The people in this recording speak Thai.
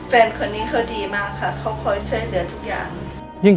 แฟนคนนี้เขาดีมากค่ะเขาคอยช่วยเหลือทุกอย่าง